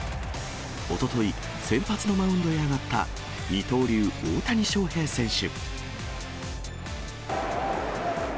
おととい、先発のマウンドへ上がった、二刀流、大谷翔平選手。